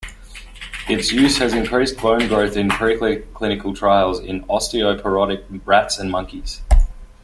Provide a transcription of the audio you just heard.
Its use has increased bone growth in preclinical trials in osteoporotic rats and monkeys.